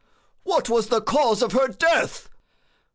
"What was the cause of her death?"